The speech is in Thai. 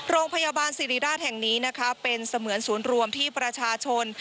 โรงพยาบาลสิริราชแห่งนี้นะคะเป็นเสมือนศูนย์รวมที่ประชาชน